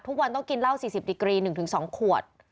ทุกวันต้องกินเล่าสี่สิบดีกรีหนึ่งถึงสองขวด